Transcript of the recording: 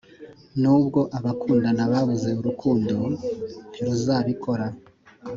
nubwo abakundana babuze urukundo ntiruzabikora;